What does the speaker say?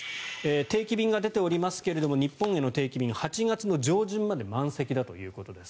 定期便が出ていますが日本の定期便は８月上旬まで満席だということです。